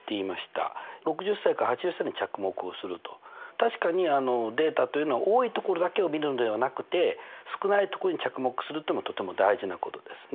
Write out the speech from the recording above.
確かにデータというのは多いところだけを見るのではなくて少ないところに着目するっていうのとても大事なことですね。